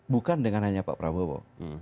bukan dengan hanya pak prabowo